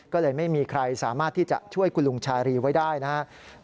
ก็เลยไม่มีใครสามารถที่จะช่วยคุณลุงชารีไว้ได้นะครับ